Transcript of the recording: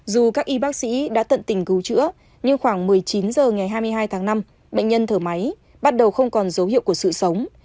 dù các y bác sĩ đã tận tình cứu chữa nhưng khoảng một mươi chín h ngày hai mươi hai tháng năm bệnh nhân thở máy bắt đầu không còn dấu hiệu của sự sống